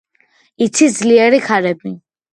იცის ძლიერი ქარები.